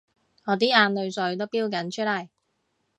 我啲眼淚水都標緊出嚟